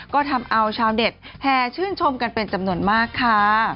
ก็ทำเอาชาวเด็ดแห่ชื่นชมกันเป็นจำนวนมากค่ะ